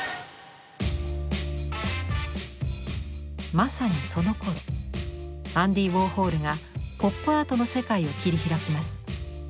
まさにそのころアンディ・ウォーホルがポップアートの世界を切り開きます。